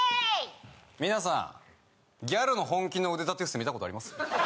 皆さんギャルの本気の腕立て伏せ見たことあります？